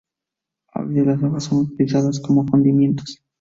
A veces las hojas son utilizadas como condimentos.